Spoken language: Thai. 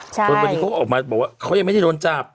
จนวันนี้เขาก็ออกมาบอกว่าเขายังไม่ได้โดนจับ